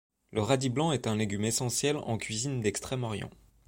Le radis blanc est un légume essentiel en cuisine d'Extrême-Orient.